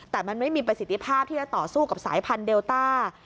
แต่มันไม่มีประสิทธิภาพที่จะต่อสู้กับสายพันธุเดลต้า